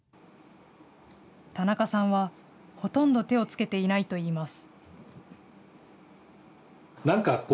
田中さんは、ほとんど手をつけていないといいます。